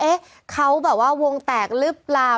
เอ๊ะเขาแบบว่าวงแตกหรือเปล่า